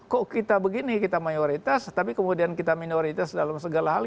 kok kita begini kita mayoritas tapi kemudian kita minoritas dalam segala hal